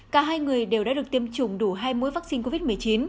cả hai người đều đã được tiêm chủng đủ hai mũi vaccine covid một mươi chín